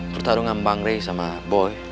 pertarungan bang ray sama boy